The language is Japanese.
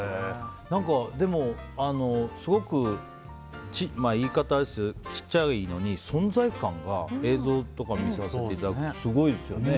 でも、すごく言い方はあれですけどちっちゃいのに、存在感が映画とか見させていただくとすごいですよね。